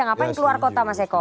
ngapain keluar kota mas eko